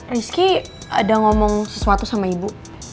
rizky ada ngomong sesuatu sama ibu